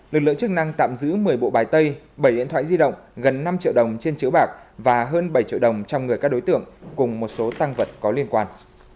lực lượng chức năng tạm giữ một mươi bộ bài tay bảy điện thoại di động gần năm triệu đồng trên chiếu bạc và hơn bảy triệu đồng trong người các đối tượng cùng một số tăng vật có liên quan